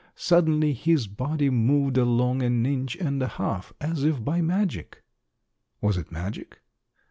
Suddenly his body moved along an inch and a half, as if by magic. Was it magic?